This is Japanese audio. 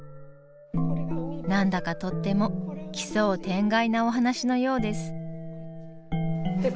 なんだかとっても奇想天外なお話のようです。